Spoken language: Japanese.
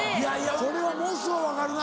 これはものすごい分かるな。